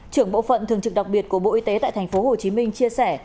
trưởng bộ phận thường trực đặc biệt của bộ y tế tại tp hcm chia sẻ